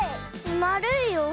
まるいよ。